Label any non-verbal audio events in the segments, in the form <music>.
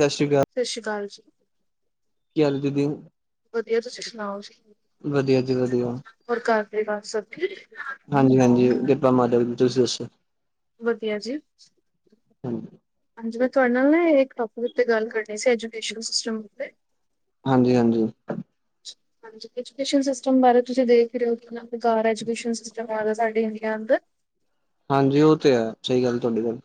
ਸਤਿ੍ ਸ਼੍ਰੀ ਆਕਾਲ ਸਤਿ ਸ਼੍ਰੀ ਅਕਾਲ ਜੀ ਕੀ ਹੱਲ ਦੀਦੀ ਵਧੀਆ ਤੁਸੀਂ ਸੁਣਾਓ ਜੀ ਹੋਰ ਘਰ ਪਰੀਵਾਰ ਸਬ ਠੀਕ ਹਾਂਜੀ ਹਾਂਜੀ ਕਿਰਪਾ ਮਾਧਵ ਦੀ ਤੁਸੀਂ ਦੱਸੋ। ਵਧੀਆ ਜੀ, ਹਾਂਜੀ, ਮੈਂ ਤੁਹਾਡੇ ਨਾਲ ਨਾ ਇੱਕ ਟੋਪਿਕ ਉੱਤੇ ਗੱਲ ਕਰਨੀ ਸੀ, ਐਜੂਕੇਸ਼ਨ ਸਿਸਟਮ ਤੇ ਹਾਂਜੀ, ਹਾਂਜੀ। <inaudible> ਹਾਂਜੀ ਐਜੂਕੇਸ਼ਨ ਸਿਸਟਮ ਬਾਰੇ ਤੁਸੀਂ ਦੇਖ, ਰਹੇ ਹੋ ਕਿਨਾ ਬੇਕਾਰ ਐਜੂਕੇਸ਼ਨ ਸਿਸਟਮ ਸਾਡੇ ਇੰਡੀਆ ਅੰਦਰ ਹਾਂਜੀ ਉਹ ਤੇ ਹੈ, ਸਹੀ ਗੱਲ ਤੁਹਾਡੀ ਗੱਲ।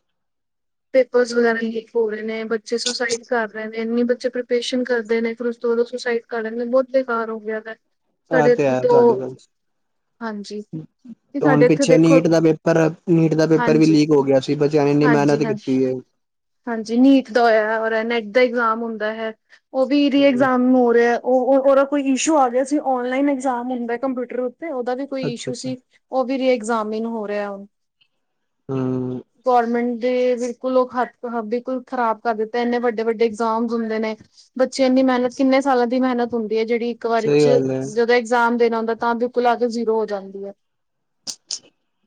ਪੇਪਰਸ ਵਗੈਰਾ ਲੀਕ ਹੋ ਰਹੇ ਨੇ, ਬੱਚੇ ਸੁਸਾਈਡ ਕਰ ਰਹੇ ਨੇ, ਇੰਨੀ ਬੱਚੇ ਪ੍ਰੀਪਰੇਸ਼ਨ ਕਰਦੇ ਨੇ ਫਿਰ ਉਸ ਤੋਂ ਬਾਦ ਸੁਸਾਈਡ <unintelligible> ਬਹੁਤ ਬੇਕਾਰ ਹੋ ਗਿਆ, ਸਾਡੇ ਇੱਥੇ ਦੋ, ਹਾਂਜੀ। ਹੁਣ ਪਿੱਛੇ ਨੀਟ ਦਾ ਪੇਪਰ ਨੀਟ ਦਾ ਪੇਪਰ ਵੀ ਲੀਕ ਹੋ ਗਿਆ ਕੀ ਬੱਚਿਆਂ ਨੇ ਇੰਨੀ ਮਿਹਨਤ ਕੀਤੀ ਏ। ਹਾਂਜੀ ਨੀਟ ਦਾ ਹੋਇਆ, ਔਰ ਅ ਨੈਟ ਦਾ ਐਗਜ਼ਾਮ ਹੁੰਦਾ ਹੈ, ਉਹ ਵੀ ਰੀਐਗਜ਼ਾਮ ਹੋ ਰਿਆ। ਉਹ ਉਹਦਾ ਕੋਈ ਇਸ਼ੂ ਆ ਗਿਆ ਸੀ, ਔਨਲਾਈਨ ਇਗਜ਼ਾਮ ਹੁੰਦਾ ਕੰਪਿਊਟਰ ਉੱਤੇ ਉਹਦਾ ਵੀ ਕੋਈ ਇਸ਼ੂ ਸੀ ਉਹ ਵੀ ਰਿਏਗਜ਼ਾਮਿਨ ਹੋ ਰਿਹਾ ਹੂਨ। ਹਾਂ। ਗੌਰਮੈਂਟ ਦੇ ਵਿਰ ਬਲ ਲੋਕ ਹੱਥ ਬਿਲਕੁਲ ਖ਼ਰਾਬ ਕਰ ਦਿੱਤਾ, ਇੰਨੇ ਵੱਡੇ-ਵੱਡੇ ਇਗਜ਼ਾਮ ਹੁੰਦੇ ਨੇ। ਬੱਚਿਆਂ ਐਨੀ ਮਿਹਨਤ ਕਿਨੇ ਸਾਲਾਂ ਦੀ ਮਹਨਤ ਹੁੰਦੀ ਹੈ, ਜਿਹੜੀ ਇੱਕ ਵਾਰੀ ਚ ਜਦੋਂ ਇਗਜ਼ਾਮ ਦੇਣਾ ਹੁੰਦਾ, ਤਾਂ ਬਿਲਕੁਲ ਆ ਕੇ ਜ਼ੀਰੋ ਹੋ ਜਾਂਦੀ ਹੈ।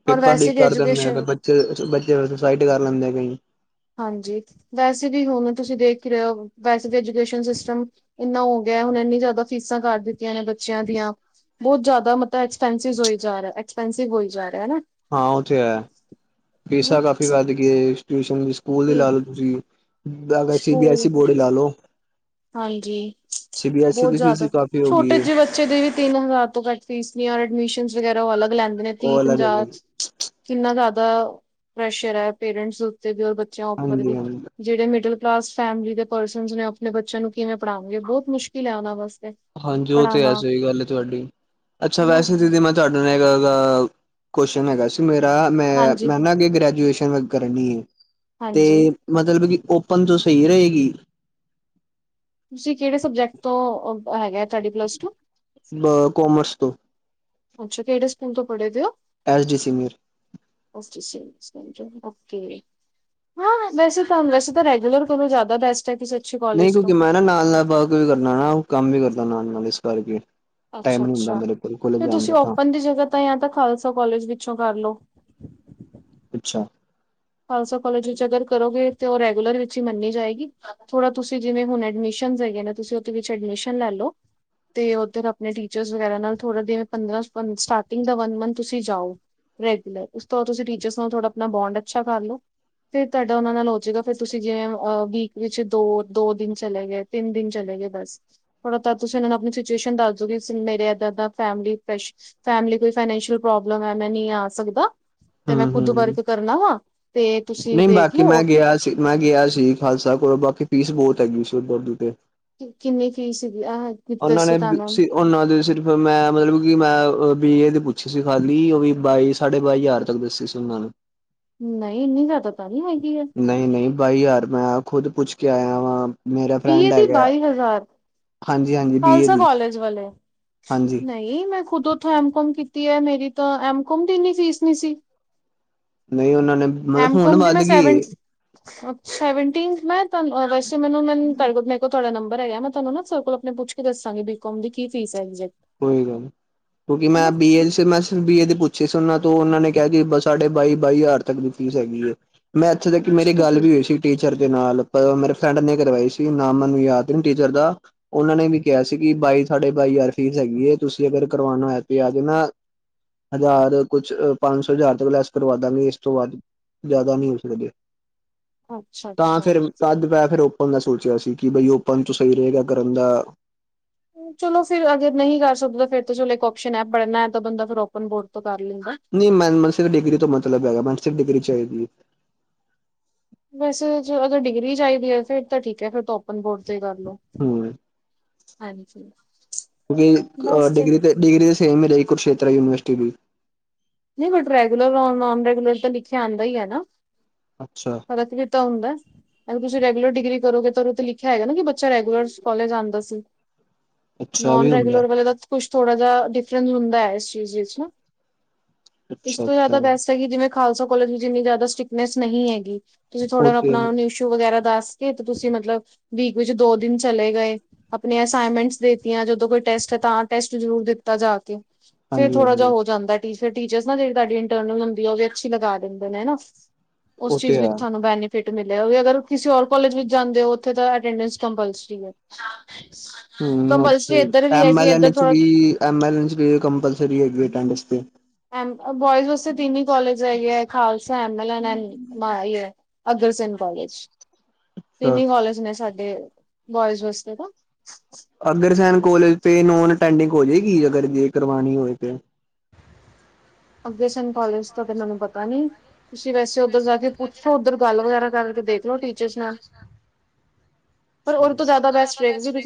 ਪੇਪਰ ਲੀਕ ਕਰਦੇ ਹੁੰਦੇ ਆ, ਫੇਰ ਬੱਚੇ ਬੱਚੇ ਫੇਰ ਸੂਸਾਈਡ ਕਰ ਲੈਂਦੇ ਆ ਕਈ। ਹਾਂਜੀ ਵੈਸੇ ਵੀ ਹੁਣ ਤੁਸੀਂ ਦੇਖ ਰਹੇ ਹੋ, ਵੈਸੇ ਵੀ ਐਜੂਕੇਸ਼ਨ ਸਿਸਟਮ ਇੰਨਾ ਹੋ ਗਿਆ, ਹੁਣ ਇੰਨੀ ਜ਼ਿਆਦਾ ਫੀਸਾਂ ਕਰ ਦਿੱਤੀਆਂ ਨੇ ਬੱਚਿਆਂ ਦੀਆਂ। ਬਹੁਤ ਜ਼ਿਆਦਾ ਮਤਲਬ ਐਕਸਪਸਿਵ ਹੋ ਜਾ ਰਿਹਾ, ਐਕਸਪੈਂਸਿਵ ਹੋਈ ਜਾ ਰਿਹਾ ਹਨਾ। ਹਾਂ ਓ ਤੇ ਹੈ ਫੀਸਾਂ ਕਾਫੀ ਵੱਧ ਗਈਆਂ, ਟਿਊਸ਼ਨ ਦੀ ਸਕੂਲ ਦੀ ਲਾ ਲਓ ਤੁਸੀਂ <unintelligible> ਸੀ ਬੀ ਐੱਸ ਈ ਬੋਰਡ ਹੀ ਲਾ ਲਓ। ਸੀ ਬੀ ਐੱਸ ਈ ਦੀ ਫੀਸ ਵੀ ਕਾਫੀ ਹੋ ਗਈ ਹੈ। ਬੱਚੇ ਦੀ ਵੀ ਤਿੰਨ ਹਜ਼ਾਰ ਤੋਂ ਘੱਟ ਫੀਸ ਨੇ ਔਰ ਐਡਮਿਸ਼ਨ ਵਗੈਰਾ ਉਹ ਅਲਗ ਲੈਂਦੇ ਨੇ ਤੀਹ-ਤੁਹ ਪੰਜਾਹ ਕਿੰਨਾ ਜ਼ਿਆਦਾ ਪ੍ਰੈਸ਼ਰ ਹੈ, ਪੇਰੈਂਟਸ ਉੱਤੇ ਵੀ, ਔਰ ਬੱਚਿਆਂ ਉੱਪਰ ਵੀ। ਜਿਹੜੇ ਮਿਡਲ ਕਲਾਸ ਫੈਮਲੀ ਦੇ ਪਰਸਨਸ਼ ਨੇ, ਔ ਆਪਣੇ ਬੱਚਿਆਂ ਨੂੰ ਕਿਵੇਂ ਪੜਾਾਂਗੇ ਬਹੁਤ ਮੁਸ਼ਕਿਲ ਹੈ ਉਹਨਾਂ ਵਾਸਤੇ। ਹਾਂਜੀ ਉਹ ਤੇ ਐ ਸਹੀ ਗੱਲ ਹੈ ਤੁਹਾਡੀ, ਅੱਛਾ ਵੈਸੇ ਦੀਦੀ ਮੈਂ ਤੁਹਾਡੇ ਨਾਲ ਅ <unintelligible> ਕੁਸ਼ਚਨ ਹੈਗਾ ਸੀ ਮੇਰਾ ਮੈਂ, ਮੈਂ ਨਾ ਅੱਗੇ ਗ੍ਰੈਜੂਏਸ਼ਨ ਕਰਨੀ ਏ, ਤੇ ਮਤਲਬ ਕਿ ਓਪਨ ਚੋ ਸਹੀ ਰਹੇਗੀ? ਤੁਸੀਂ ਕਿਹੜੇ ਸਬਜੈਕਟ ਤੋਂ, ਅ ਹੈਗੇ ਤੂਹਾਡੀ ਪਲੱਸ ਟੂ? ਬ ਕੌਮਰਸ ਤੋਂ। ਅੱਛਾ ਕਿਹੜੇ ਸਕੂਲ ਤੋਂ ਪੜੇ ਦੇ ਔ? S D senior. Okay <unintelligible> okay. ਹਾਂ ਵੈਸੇ ਤਾਂ, ਵੈਸੇ ਤਾਂ ਰੈਗੂਲਰ ਕਰੋ ਜ਼ਿਆਦਾ ਬੈਸਟ ਹੈ ਕਿਸੇ ਨਹੀਂ ਕਿਉਂਕਿ ਮੈਂ ਨਾ ਨਾਲ-ਨਾਲ ਪਾ ਕੇ ਵੀ ਕਰਨਾ ਨਾ ਕੰਮ ਵੀ ਕਰਦਾ ਨਾਲ-ਨਾਲ ਇਸ ਕਰਕੇ। ਅੱਛਾ, ਅੱਛਾ ਫੇ ਤੁਸੀਂ ਓਪਨ ਦੀ ਜਗ੍ਹਾ ਤੇ ਯਾ ਤੇ ਖਾਲਸਾ ਕੋਲਜ ਵਿੱਚੋਂ ਕਰ ਲਓ। ਅੱਛਾ, ਖਾਲਸਾ ਕਾਲਜ ਵਿੱਚ ਅਗਰ ਕਰੋਗੇ, ਤੇ ਉਹ ਰੈਗੂਲਰ ਵਿੱਚ ਹੀ ਮੰਨੀ ਜਾਏਗੀ, ਥੋੜਾ ਤੁਸੀਂ ਜਿਵੇਂ ਹੁਣ ਐਡਮਿਸ਼ਨ ਹੈਗੇ ਨੇ ਤੁਸੀਂ ਉਹਦੇ ਵਿੱਚ ਐਡਮਿਸ਼ਨ ਲੈ ਲੋ। ਤੇ ਉਧਰ ਆਪਣੇ ਟੀਚਰ ਵਗੈਰਾ ਨਾਲ ਥੋੜਾ ਜਵੇ ਪੰਦਰਾਂ ਸਟਾਰਟਿੰਗ ਦਾ ਵਨ ਮੰਥ ਤੁਸੀਂ ਜਾਓ। ਰੈਗੂਲਰ ਉਸ ਤੋਂ ਬਾਦ ਤੁਸੀਂ ਟੀਚਰਸ ਨਾਲ ਥੋੜਾ ਆਪਣਾ ਬੋਂਡ ਅੱਛਾ ਕਰ ਲੋ। ਫੇਰ ਤੁਹਾਡਾ ਉਹਨਾਂ ਨਾਲ ਹੋਜਏਗਾ, ਫੇਰ ਤੁਸੀਂ ਜਿਵੇਂ ਅ ਵੀਕ ਵਿੱਚ ਦੋ ਦੋ ਦਿਨ ਚਲੇ ਗਏ। ਤਿੰਨ ਦਿਨ ਚਲੇ ਗਏ ਬਸ। ਥੋੜ ਤੁਸੀਂ ਇਹਨਾਂ ਨੂੰ ਆਪਣੀ ਸਿਚੁਏਸ਼ਨ ਦੱਸ ਦਓ, ਕਿ ਮੇਰੇ ਇਦਾਂ ਦਾ ਫੈਮਲੀ ਫੈਸ਼ ਫੈਮਲੀ ਕੋਈ ਫਾਈਨੈਂਸ਼ੀਅਲ ਪ੍ਰੋਬਲਮ ਹੈ, ਮੈਂ ਨਹੀਂ ਆ ਸਕਦਾ। ਤੇ ਮੈਂ ਖੁੱਦ ਵਰਕ ਕਰਨਾ ਵਾ ਤੇ ਨਹੀਂ ਬਾਕੀ ਮੈਂ ਗਿਆ ਸੀ, ਮੈਂ ਗਿਆ ਸੀ, ਖਾਲਸਾ ਕੋਲੋਂ ਬਾਕੀ ਫੀਸ ਬਹੁਤ ਹੈਗੀ ਸੀ ਉਧਰਧ ਦੀ ਤੇ ਕਿੰਨੀ ਫ਼ੀਸ ਹੈ ਗੀ ਆਹ ਉਹਨਾਂ ਨੇ ਬਯੁਕਸੀ ਉਹਨਾਂ ਦੇ ਸਿਰਫ ਮੈਂ ਮਤਲਬ ਕਿ ਮੈਂ ਬੀ ਏ ਦੀ ਪੁੱਛੀ ਸੀ ਖਾਲੀ ਉਹ ਵੀ ਬਾਈ ਸਾਢੇ ਬਾਈ ਹਜ਼ਾਰ ਸਕਦੇ ਸੀ ਸੁਨਾਂ ਨੂੰ। ਨਹੀਂ ਇੰਨੀ ਜ਼ਿਆਦਾ ਤਾਂ ਨਹੀਂ ਹੈਗੀ ਹੈ। ਨਹੀਂ -ਨਹੀਂ ਬਾਈ ਯਾਰ ਮੈਂ ਖੁਦ ਪੁੱਛ ਕੇ ਆਇਆ ਵਾਂ ਮੇਰਾ ਫਰੈਂਡ ਹੈਗਾ। ਖਾਲਸਾ ਕਾਲਜ ਵਾਲੇ। ਹਾਂਜੀ। ਨਹੀਂ ਮੈਂ ਖੁਦ ਓਥੋਂ ਐਮ ਕੋਮ ਕੀਤੀ ਹੈ ਮੇਰੀ ਤਾਂ ਐਮ ਕੋਮ ਦੀ ਇੰਨੀ ਫੀਸ ਨੀ ਸੀ। ਨਹੀਂ ਉਹਨਾਂ ਨੇ ਮਤਲਬ ਹੁਣ ਵੱਧ ਗਈ। ਸੈਵਨਟੀਨਥ ਮੈਂ ਵੈਸੇ ਮੈਨੂੰ ਮਲ ਮੇਰੇਲ ਤੁਹਾਡਾ ਨੰਬਰ ਹੈਗਾ ਮੈਂ ਤੁਹਾਨੂੰ ਨਾਲ ਪੁੱਛ ਕੇ ਦੱਸਾਂਗੀ ਬੀਕੋਮ ਦੀ ਕੀ ਫੀਸ ਹੈ ਐਗਜੈਕਟ। ਕੋਈ ਗੱਲ ਨਹੀਂ ਕਿਉਂਕਿ ਮੈਂ ਬੀਏ ਮੈਂ ਬੀ ਏ ਦੀ ਪੁੱਛ ਫੀ ਉਹਨਾਂ ਤੋਂ ਉਹਨਾਂ ਨੇ ਕਿਹਾ ਕਿ ਬ ਸਾਡੇ ਬਾਈ ਬਾਈ ਹਜ਼ਾਰ ਤੱਕ ਦੀ ਫੀਸ ਹੈਗੀ ਹੈ। ਮੈਂ ਇੱਥੇ ਤੱਕ ਮੇਰੀ ਗੱਲ ਵੀ ਹੋਈ ਸੀ। ਟੀਚਰ ਦੇ ਨਾਲ ਮੇਰੇ ਫਰੈਂਡ ਨੇ ਕਰਵਾਈ ਸੀ ਨਾਮ ਮੈਨੂੰ ਯਾਦ ਨੀ ਟੀਚਰ ਦਾ। ਉਹਨਾਂ ਨੇ ਵੀ ਕਿਹਾ ਸੀ ਕਿ ਬਾਈ ਸਾਡੇ ਬਾਈ ਹਜ਼ਾਰ ਫ਼ੀਸ ਹੈਗੀ ਹੈ, ਤੁਸੀਂ ਅਗਰ ਕਰਵਾਉਣਾ ਹੈ ਤੇ ਆਜ ਨਾ। ਹਜ਼ਾਰ ਕੁਛ ਪੰਜ ਸੌ ਹਜ਼ਾਰ ਤੱਕ ਲੈਸ ਕਰਵਾ ਦਾਂਗੇ ਇਸ ਤੋਂ ਵਾਅਦ ਜ਼ਿਆਦਾ ਨਹੀਂ ਹੋ ਸਕਦੇ, ਤਾਂ ਫਿਰ ਤਾਦ ਪੈ ਫਿਰ ਓਪਨ ਦਾ ਸੋਚਿਆ ਸੀ, ਕਿ ਬਈ ਓਪਨ ਤੋਂ ਸਹੀ ਰਹੇਗਾ ਕਰਨ ਦਾ। ਚਲੋ ਫਿਰ ਅਗਰ ਨਹੀਂ ਕਰ ਸਕਦਾ ਫਿਰ ਚਲੋ ਇੱਕ ਓਪਸ਼ਨ ਹੈ ਪੜਨਾ ਹੈ, ਤਾਂ ਬੰਦਾ ਫਿਰ ਓਪਨ ਬੋਰਡ ਤੋਂ ਕਰ ਲੈਂਦਾ਼ ਨਹੀਂ ਮਨ ਮਸਿਕ ਡਿਗਰੀ ਤੋਂ ਮਤਲਬ ਹੈਗਾ ਮਾਨਸਿਕ ਡਿਗਰੀ ਚਾਹੀਦੀ ਹੈ। ਵੈਸੇਦੋਂ ਡਿਗਰੀ ਚਾਹੀਦੀ ਹੈ ਫੇਰ ਤਾਂ ਠੀਕ ਹੈ ਫਿਰ ਓਪਨ ਬੋਰਡ ਤੇ ਹੀ ਕਰ ਲਓ। ਹਮ। ਹਾਂਜੀ। ਕਿਉਂਕਿ ਡਿਗਰੀ ਡਿਗਰੀ ਸੇਮ ਹੀ ਰਹੀ ਕੁਰਕਸ਼ੇਤ ਯੂਨੀਵਰਸਿਟੀ ਵੀ। ਨਹੀਂ ਬਟ ਰੈਗੂਲਰਔ ਨੋਨ ਰੈਗੂਲਰ ਤਾਂ ਲਿਖਿਆ ਆਉਂਦਾ ਹੀ ਹੈ ਨਾ। ਅੱਛਾ। ਪ ਕੀਤਾ ਹੁੰਦਾਰ ਤੁਸੀਂ ਰੈਗੂਲਰ ਡਿਗਰੀ ਕਰੋਗੇਿਖ ਲਿਖਿਆ ਹੈਗਾ ਨਾ ਕਿ ਬੱਚਾ ਰੈਗੂਲਰ ਕਾਲਜ ਆਉਂਦਾ ਸੀ, ਨੋਨ ਰੈਗੂਲਰ ਵਾਲੇ ਤਾਂ ਕੁਛ ਥੋੜਾ ਜਿਹਾ ਡਿਫਰੈਂਸ ਹੁੰਦਾ ਹੈ ਇਸ ਚੀਜ਼ ਵਿੱਚ। ਇਸ ਤੋਂ ਜ਼ਿਆਦਾ ਬੈਸਟ ਹੈਗੀ ਜਿਵੇਂ ਖਾਲਸਾ ਕੋਲਜ ਵਿੱਚ ਇੰਨੀ ਜ਼ਿਆਦਾ ਸਟ੍ਰਿਕਟਨੈਸ ਨਹੀਂ ਹੈਗੀ ਤੁਸੀਂ ਥੋੜਾ ਆਪਣਾ ਸ਼ੂ ਵਗੈਰਾ ਦੱਸ ਕੇ ਤੇ ਤੁਸੀਂ ਮਤਲਬ ਵੀਕ ਵਿੱਚ ਦੋ ਦਿਨ ਚਲੇ ਗਏ। ਆਪਣੀਆਂ ਅਸਾਈਨਮੈਂਟਸ ਦੇਤੀਆਂ ਜਦੋਂ ਕੋਈ ਟੈਸਟ ਹੈ ਤਾਂ ਟੈਸਟ ਜ਼ਰੂਰ ਦਿੱਤਾ ਜਾ ਕੇ। ਫਿਰ ਥੋੜਾ ਜਿ ਹੋ ਜਾਂਦਾ ਫਿਰ ਟੀਚਰਸ ਨਾ ਜਿਹੜੀ ਤੁਹਾਡੀ ਇੰਟਰਨਲ ਹੁੰਦੀ ਆ ਉਹ ਵੀ ਅੱਛੀ ਲਗਾ ਦਿੰਦੇ ਨੇ ਹਨਾ। ਉਸ ਚੀਜ਼ ਵਿੱਚ ਤੁਹਾਨੂੰ ਬੈਨੀ ਫਟ ਮਿਲੇਗਾ ਹੋਰ ਕਿਸੇ ਕਾਲਜ ਵਿਚ ਜਾਂਦੇ ਹੋ ਉਥੇ ਤਾਂ ਅਟਡਸ ਕੰਪਲਸਰੀ। ਹਮ ਓ M L V, M L V ਚ ਕੰਪਲਸਰੀ ਐਟਡਸ ਤੇ ਬੋਇਜ਼ ਵਾਸਤੇ ਤਿੰਨ ਕਾਲਜ ਹੈਗੇ ਹੈ ਖਾਲਸਾ, ਐਮਲ ਅਗਰਸੈਨ ਕਾਲਜ ਤਿੰਨ ਕਾਲਜ ਨੇ ਸਾ ਤੇ ਬੋਇਸ ਵਾਸਤੇ ਨਾ। ਅਗਰਸੈਨ ਕਾਲਜ ਤੇ ਨੋਨ ਅਟਡਿੰਗ ਹੋ ਜਾਏਗੀ ਅਗਰ ਜੇ ਕਰਵਾਉਣੀ ਹੋਵੇ ਤੇ। ਅਗਰਸੈਨ ਕਾਲਜ ਦਾ ਤੇ ਮੈਨੂੰ ਪਤਾ ਨੀ ਤੁਸੀਂ ਵੈਸੇ ਵੈਸੇ ਉੱਧਰ ਜਾ ਕੇ ਪੁੱਛੋ ਉੱਧਰ ਗੱਲ ਵਗੈਰਾ ਕਰਕੇ ਦੇਖੋ ਟੀਚਰਸ ਨਾਲ। ਜਰੂਰਤ ਜਿਆਦਾ ਬੈਸਟ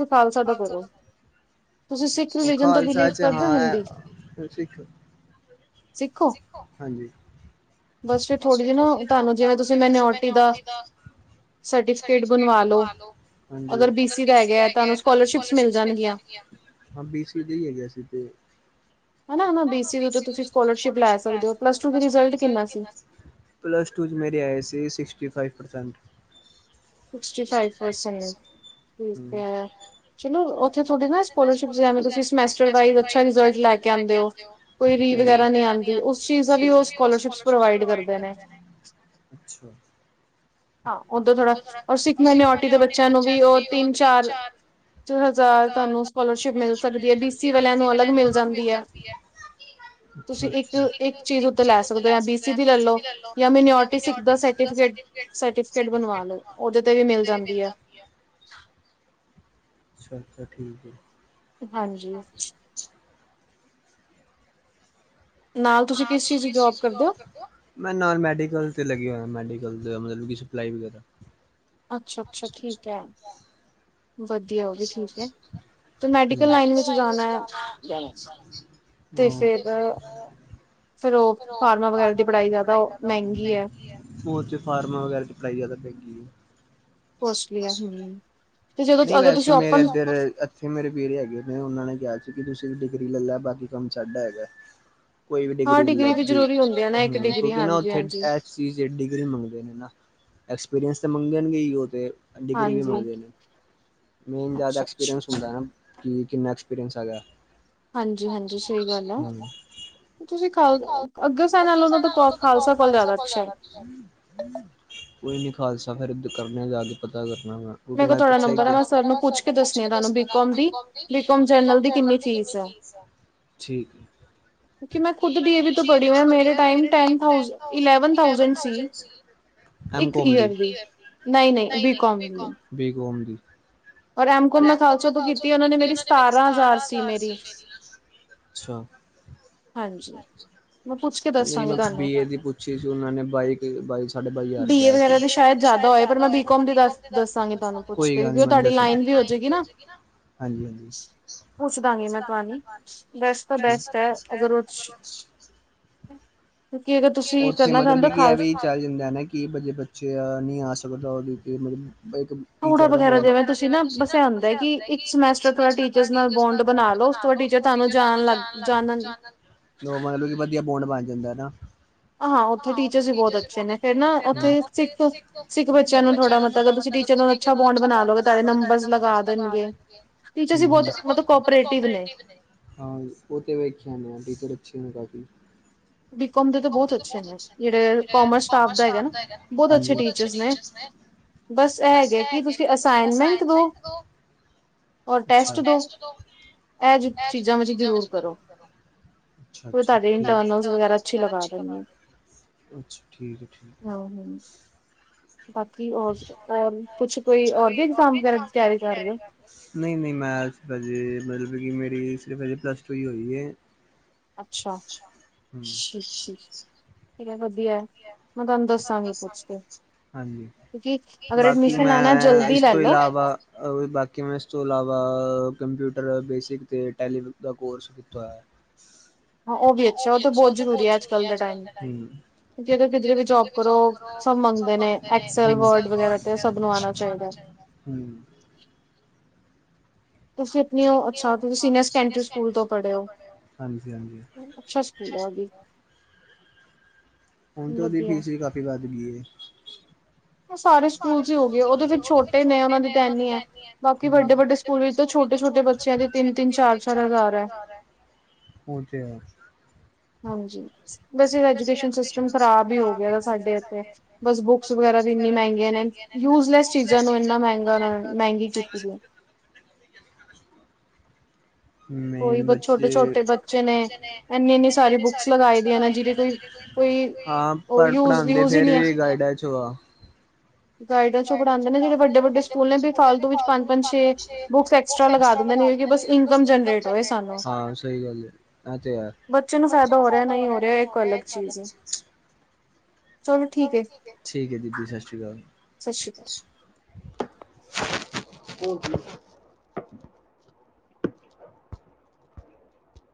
ਖਾਲਸਾ। ਉਹ ਖਾਲਸਾ ਚ ਹਾਂਖ ਸਿੱਖੋ। ਹਾਂਜੀ। ਬਸ ਫਿਰ ਥੋੜ੍ਹੀ ਜਿਹੀ ਨਾ ਤੁਹਾਨੂੰ ਜਿਵੇਂ ਤੁਸੀਂ ਮੈਨੋਰਟੀ ਦਾ ਸਰਟੀਫਿਕੇਟ ਬਣਵਾ ਲੋ। ਅਗਰ ਬੀਸੀ ਦਾ ਹੈਗਾ ਤੁਾਨੂੰ ਸਕੋਲਰਸ਼ਿਪਸ ਮਿਲ ਜਾਣਗੀਆਂ। ਹਾਂ ਬੀ ਸੀ ਦੇ ਈ ਹੈਗੇ ਆਂ ਅਸੀਂ ਤੇ। ਹੈਨਾ ਬੇਸਿਸ ਉਤੇ ਤੁਸੀਂ ਸਕੋਲਰਸ਼ਿਪ ਲੈ ਸਕਦੇ ਹੋ, ਪਲੱਸ ਟੂ ਦੀ ਰਿਜਲਟ ਕਿੰਨਾ ਸੀ? ਪਲੱਸ ਟੂ ਚ ਮੇਰੇ ਆਏ ਸੀ sixty five percent. Sixty five percent ਠੀਕ ਹੈ। ਚਲੋ ਓਥੇ ਥੋਡੇ ਨਾ ਸਕੋਲਰਿਪ ਜੇਵੇਂ ਤੁਸੀ ਸਮੇਂਸਟਰ ਵਾਈਸ ਅੱਛਾ ਰਿਜ਼ਲਟ ਲੈ ਕੇ ਆਦੇ ਹੋ। ਕੋਈ ਰੀ ਵਗੈਰਾ ਨਹੀਂ ਆਦੀ ਉਸ ਚੀਜ਼ ਦਾ ਵੀ ਉਹ ਸਕੋਲਰਸ਼ਿਪ ਪ੍ਰੋਵਾਈਡ ਕਰਦੇ ਨੇ। ਅੱਛਾ ਹਾਂ ਉਦੋਂ ਥੋੜ੍ਹਾ ਔਰ ਸਿੱਖ ਮਾਈਨੋਰਟੀ ਦੇ ਬੱਚਿਆਂ ਨੂੰ ਵੀ ਉਹ ਤਿੰਨ ਚਾਰ ਚੋ ਹਜ਼ਾਰ ਤੁਹਾਨੂੰ ਸਕੋਲਰਸ਼ਿਪ ਮਿਲ ਸਕਦੀ ਹੈ ਬੀਸੀ ਵਾਲਿਆਂ ਨੂੰ ਅਲੱਗ ਮਿਲ ਜਾਂਦੀ ਹੈ। ਤੁਸੀਂ ਇੱਕ, ਇੱਕ ਚੀਜ਼ ਉੱਤੇ ਲੈ ਸਕਦੇ ਹੋ ਯਾ ਬੀਸੀ ਦੀ ਲੈ ਲੋ ਯਾ ਮੈਨੋਰਟੀ ਸਿੱਖ ਦਾ ਸਰਟੀਫਿਕੇਟ ਸਰਟੀਫਿਕੇਟ ਬਣਵਾ ਲੋ ਉਹਦੇ ਤੇ ਵੀ ਮਿਲ ਜਾਂਦੀ ਹੈ। ਅੱਛਾ-ਅੱਛਾ ਠੀਕ ਹੈ। ਹਾਂਜੀ ਨਾਲ ਤੁਸੀਂ ਕਿਸ ਚੀਜ਼ ਦੀ ਜੋਬ ਕਰਦੇ ਹੋ? ਮੈਂ ਨਾਲ ਮੈਡੀਕਲ ਤੇ ਲੱਗਿਆ ਹੋਇਆ ਮੈਡੀਕਲ ਮਤਲਬ ਕਿ ਸਪਲਾਈ ਵਗੈਰਾ। ਅੱਛਾ-ਅੱਛਾ ਠੀਕ ਹੈ। ਵਧੀਆ ਉਹ ਵੀ ਠੀਕ ਹੈ। ਮੈਡੀਕਲ ਲਾਈਨ ਵਿਚ ਜਾਨਾ ਹਾਂ ਤੇ ਫੇਰ ਫੇਰ ਉਹ ਫਾਰਮਾਂ ਵਗੈਰਾ ਦੀ ਪੜ੍ਹਾਈ ਜਾਦਾ ਉਹ ਮਹਿੰਗੀ ਹੈ। ਉਹ ਚ ਫਾਰਮਾਂ ਵਗੈਰਾ ਚ ਪੜ੍ਹਾਈ ਜਾਦਾ ਮਹਿੰਗੀ ਏ। ਕੋਸਟਲੀ ਹੈ ਹਮ। ਨਹੀਂ ਵੈਸੇ ਮੇਰੇ ਇੱਧਰ ਅ ਫਿਰ ਮੇਰੇ ਵੀਰੇ ਹੈਗੇ ਨੇ ਉਹਨਾਂ ਨੇ ਕਿਹਾ ਸੀ ਕਿ ਤੁ ਸਿਰਫ ਡਿਗਰੀ ਲੈ ਲੈ ਬਾਕੀ ਕੰਮ ਸਾਡਾ ਹੈਗਾ। ਕੋਈ ਵੀ ਡਿਗਰੀ <unintelligible> ਹਾਂ ਕਿਉਂਕਿ ਨਾ ਉੱਥੇ ਸੀ ਜੇ ਡਿਗਰੀ ਮੰਗਦੇ ਨੇ ਨਾ ਐਕਸਪੀਰੀਅੰਸ ਤਾਂ ਮੰਗਣਗੇ ਹੀ ਉਹ ਤੇ। ਡਿਗਰੀ ਵੀ ਮੰਗਦੇ ਨੇ। ਮੇਨ ਜਾਦਾ ਐਕਸਪੀਰੀੰਸ ਹੁੰਦਾ ਕਿ ਕਿੰਨਾ ਐਕਸਪੀਰੀਅੰਸ ਹੈਗਾ। ਹਾਂਜੀ-ਹਾਂਜੀ ਸਹੀ ਗੱਲ ਹੈ। ਤੁਸੀਂ ਖਾਲ ਅੱਗ੍ਰਸੇਨ ਨਾਲੋਂ ਤਾਂ ਕੋਲ ਖਾਲਸਾ ਕੋਲ ਜ਼ਿਆਦਾ ਅੱਛਾ। ਕੋਈ ਨੀ ਖਾਲਸਾ ਫੇਰ ਏਦਰ ਕਰਨਾ ਆ ਜਾ ਕੇ ਪਤਾ ਕਰਨਾ ਮੈਂ। ਕਿਉਂਕਿ ਮੈਂ ਪਿਛੇ ਤੁਹਾਡਾ ਨੰਬਰ ਮੈਂ ਸਰ ਨੂੰ ਪੁੱਛ ਕੇ ਦਸਦੀ ਆ ਤੁਹਾਨੂੰ ਬੀਕੋਮ ਦੀ। ਬੀ ਕਾਮ ਜਰਨਲ ਦੀ ਕਿਨੀ ਫੀਸ ਹੈ, ਠੀਕ। ਕਿਉਂਕਿ ਮੈਂ ਖੁਦ ਡੀ ਏ ਵੀ ਤੋਂ ਪੜੀ ਹਾਂ ਮੈਂ ਮੇਰੇ time ten thousand, eleven thousand ਸੀ। ਇੱਕ ਈਅਰ ਦੀ ਨਈ-ਨਈ ਬੀਕੋਮ ਦੀ। ਬੀਕੋਮ ਦੀ। ਔਰ ਐਮਕਮ ਮੈਂ ਖਾਲਸਾ ਤੋਂ ਕੀਤੀ ਉਹਨਾਂ ਨੇ ਮੇਰੀ ਸਤਾਰਾਂ ਹਜ਼ਾਰ ਸੀ ਮੇਰੀ। ਅੱਛਾ ਹਾਂਜੀ ਮੈਂ ਪੁੱਛ ਕੇ ਨਹੀਂ ਮੈਂ ਬੀਏ ਦੀ ਪੁੱਛੀ ਸੀ ਉਹਨਾਂ ਨੇ ਬਾਈ, ਬਾਈ ਸਾਢੇ ਬਾਈ ਹਜ਼ਾਰ ਕਿਹਾ ਸੀ। ਸ਼ਾਇਦ ਜਾਦਾ ਹੋਏ ਪਰ ਮੈਂ ਬੀਕੋਮ ਦੀ ਦੱਸਾਂਗੀ ਤੁਹਾਨੂੰ ਪੁੱਛ ਕੇ ਵੀ ਉਹ ਤੁਹਾਡੀ ਲਾਈਨ ਵੀ ਹੋ ਜਾਏਗੀ ਨਾ। ਹਾਂਜੀ-ਹਾਂਜੀ ਪੁੱਛ ਦਾਗੀ ਮੈਂ ਤੁਹਾਨੀ ਬੈਸਟ ਤਾਂ ਬੈਸਟ ਹੈ ਅਗਰ ਉਹ ਕਿਉਂਕਿ ਅਗਰ ਤੁਸੀਂ ਕਰਨਾ ਚਾਹੁੰਦੇ ਹੋ ਖਾਲ <unintelligible> ਕਿ ਬਚ ਬੱਚੇ ਆ ਸਕਦਾ ਨੀ ਆ ਸਕਦਾ ਉਹਦੀ ਮਤਲ ਇੱਕ ਘੂੜਾ ਵਗੈਰਾ ਜਿਵੇਂ ਤੁਸੀਂ ਨਾ ਬਸ ਏਹ ਹੁੰਦਾ ਕਿ ਇੱਕ ਸਮੈਸਟਰ ਥਾ ਟੀਚਰਸ ਨਾਲ ਬੋਂਡ ਬਣਾ ਲਓ ਉਸ ਤੋਂ ਬਾਅਦ ਟੀ ਜੇ ਤੁਹਾਨੂੰ ਜਾਣ ਲੱਗ ਜਾਣਨ ਮਤਲਬ ਕਿ ਵਧੀਆ ਬੋਂਡ ਬਣ ਜਾਂਦਾ ਹੈਨਾ ਹਾਂ ਉੱਥੇ ਟੀਚਰਸ ਵੀ ਬਹੁਤ ਅੱਛੇ ਨੇ ਫੇਰ ਨਾ ਉੱਥੇ ਸਿੱਖ, ਸਿੱਖ ਬੱਚਿਆਂ ਨੂੰ ਥੋੜਾ ਬਹੁਤਾ ਜੋ ਤੁਸੀ ਜਿਨਾ ਦਾ ਅੱਛਾ ਬੋਂਡ ਬਣਾ ਲਵੋਗੇ ਤੁਹਾਡੇ ਨੰਬਰਸ ਲਗਾ ਦੇਣਗੇ ਟੀਚਰਸ ਵੀ ਬਹੁਤ ਮਤਲਬ ਕੋਪਰੇਟਿਵ ਨੇ ਹਾਂਜੀ ਉਹ ਤੇ ਵੇਖਿਆ ਨੇ ਆ ਟੀਚਰ ਅੱਛੇ ਨੇ ਕਾਫੀ ਬੀਕਮ ਦੇ ਤਾਂ ਬਹੁਤ ਅੱਛੇ ਨੇ, ਜਿਹੜੇ ਕਾਮਰਸ ਸਟਾਫ ਦਾ ਹੈਗਾ, ਨਾ ਬਹੁਤ ਅੱਛੇ ਟੀਚਰਸ ਨੇ ਬਸ ਇਹ ਹੈਗੇ ਕੀ ਤੁਸੀਂ ਅਸਾਈਨਮੈਂਟ ਦੋ ਟੈਸਟ ਦੋ ਇਹ ਚੀਜ਼ਾਂ ਵਿਚ ਜ਼ਰੂਰ ਕਰੋ ਕੋਈ ਤੁਹਾਡੇ ਇੰਟਰਨਲਸ ਵਗੈਰਾ ਅੱਛੇ ਲਗਣ ਅੱਛਾ, ਠੀਕ ਹੈ ਠੀਕ ਬਾਕੀ ਹੋਰ, ਹੋਰ ਕੁਛ ਕੋਈ ਹੋਰ ਵੀ ਇਗਜ਼ਾਮ ਵਗੈਰਾ ਦੀ ਤਿਆਰੀ ਕਰ ਰਹੇ ਹੋ ਨਹੀਂ ਨਹੀਂ ਮੈਂ ਸਿਰਫ ਹਜੇ ਮਤਲਬ ਕਿ ਮੇਰੀ ਸਿਰਫ ਹਜੇ ਪਲੱਸ ਟੂ ਹੀ ਹੋਈ ਹੈ ਅੱਛਾ, ਠੀਕ - ਠੀਕ, ਠੀਕ ਹੈ ਵਧੀਆ ਮੈਂ ਤੁਹਾਨੂੰ ਦੱਸਾਂਗੀ ਪੁੱਛ ਕੇ, ਕਿਉਂਕਿ ਅਗਰ ਐਡਮਿਸ਼ਨ ਲੈਣਾ ਜਲਦੀ ਲੈ ਲੋ ਬਾਕੀ ਮੈਂ ਇਸ ਤੋਂ ਇਲਾਵਾ ਕੰਪਿਊਟਰ, ਬੇਸਿਕ ਅਤੇ ਟੈਲੀਵ ਦਾ ਕੋਰਸ ਤੋਂ ਹੈ ਹਾਂ ਉਹ ਵੀ ਅੱਛਾ ਉਹ ਤਾਂ ਬਹੁਤ ਜਰੂਰੀ ਹੈ ਅੱਜ ਕੱਲ ਦਾ ਟਾਈਮ ਕਿਉਂਕਿ ਅਗਰ ਕਿਧਰੇ ਵੀ ਜੋਬ ਕਰੋ ਉਹ ਸਭ ਮੰਗਦੇ ਨੇ ਐਕਸਲ ਵਰਡ ਵਗੈਰਾ ਤੇ ਸਭ ਨੂੰ ਆਉਣਾ ਚਾਹੀਦਾ ਹਮ ਤੁਸੀ ਸੀਨੀਅਰ ਸੈਕੰਡਰੀ ਸਕੂਲ ਤੋਂ ਪੜੇ ਹੋ ਅੱਛਾ ਸਕੂਲ ਉਹ ਵੀ ਹੁਣ ਤੇ ਉਹਦੀ ਫੀਸ ਵੀ ਕਾਫ਼ੀ ਵੱਧ ਗਈ ਹੈ ਉਹ ਸਾਰੇ ਸਕੂਲ ਹੀ ਹੋ ਗਏ ਉਹਦੇ ਫੇਰ ਛੋਟੇ ਨੇ ਉਹਨਾਂ ਦੀ ਤਾਂ ਇੰਨੀ ਹੈ ਬਾਕੀ ਵੱਡੇ ਵੱਡੇ ਵੱਡੇ ਵੱਡੇ ਸਕੂਲ ਵਿੱਚ ਤਾਂ ਛੋਟੇ ਛੋਟੇ ਬੱਚਿਆਂ ਦੇ ਤਿੰਨ-ਤਿੰਨ, ਚਾਰ -ਚਾਰ ਹਜ਼ਾਰ ਹੈ ਉਹ ਤੇੇ ਹੈ। ਹਾਂਜੀ, ਬਸ ਐਜੂਕੇਸ਼ਨ ਸਿਸਟਮ ਖਰਾਬ ਹੀ ਹੋ ਗਿਆ ਸਾਡੇ ਇੱਥੇ। ਬਸ ਬੁੱਕਸ ਵਗੈਰਾ ਵੀ ਮੈਂ ਮਹਿੰਗੀਆਂ ਨੇ ਯੂਜਲੈਸ ਚੀਜ਼ਾਂ ਨੂੰ ਇੰਨਾ ਮਹਿੰਗਾ ਕਰ ਦਿੱਤਾ ਏ। ਮੇਨ ਬੱਚੇ ਛੋਟੇ ਬੱਚੇ ਨੇ ਇਨੀ ਇੰਨੀ ਸਾਰੇ ਬੁੱਕਸ ਲਗਾਏਆਂ ਨੇ ਜਿ ਹਾਂ ਪਰ ਪੜ੍ਹਾਉਂਦੇ ਫੇਰ ਵੀ ਗਾਈਡਾਂ ਚ ਹੋ ਗਾਈਡਾ ਚ ਪੜਾਉਂਦੇ ਨੇ ਜਿਹੜੇ ਵੱਡੇ ਵੱਡੇ ਸਕੂਲ ਨੇ ਵੀ ਫਾਲਤੂ ਵਿੱਚ ਪੰਜ ਛੇ ਬੁੱਕਸ ਬੁਕਸ ਐਕਸਟਰਾ ਲਗਵਾ ਦਿੰਦੇ ਨੇ ਇਨਕਮ ਜਰਨੇਟਰ ਹੋ ਸਹੀ ਗੱਲ ਤੇ ਬੱਚੇ ਨੂੰ ਫਾਇਦਾ ਹੋ ਰਿਹਾ ਨਹੀਂ ਹੋ ਰਿਹਾ ਇੱਕ ਅਲੱਗ ਚੀਜ਼ ਹੈ ਹ ਚਲੋ ਠੀਕ ਠੀਕ ਹੈ ਦੀਦੀ ਸਤਿ ਸ਼੍ਰੀ ਅਕਾਲ। ਸਤਿ ਸ੍ਰੀ ਅਕਾਲ। ਹੋਰ ਕੋ